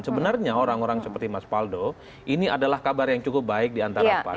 sebenarnya orang orang seperti mas paldo ini adalah kabar yang cukup baik diantara pan